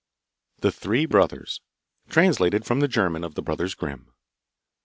The Three Brothers Translated from the German of the Brothers Grimm.